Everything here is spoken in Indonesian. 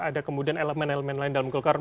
ada kemudian elemen elemen lain dalam golkar